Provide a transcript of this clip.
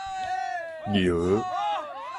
蟯